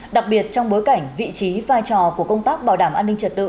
đặc biệt trong bối cảnh vị trí vai trò của công tác bảo đảm an ninh trật tự